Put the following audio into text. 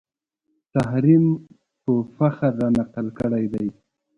تحریم په فخر رانقل کړی دی